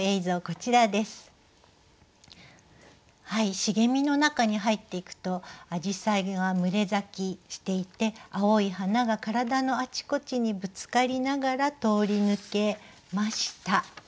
茂みの中に入っていくとアジサイが群れ咲きしていて青い花が体のあちこちにぶつかりながら通り抜けました。